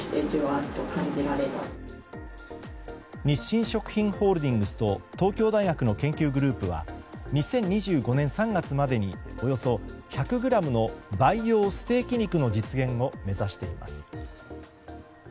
日清食品ホールディングスと東京大学の研究グループは２０２５年３月までにおよそ１００ｇの培養ステーキ肉の実現を目指しています。